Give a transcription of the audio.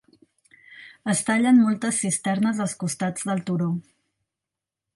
Es tallen moltes cisternes als costats del turó.